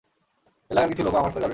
এলাকার কিছু লোকও আমার সাথে যাবে।